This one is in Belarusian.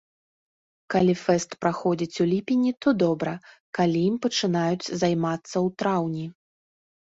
Калі фэст праходзіць у ліпені, то добра, калі ім пачынаюць займацца ў траўні.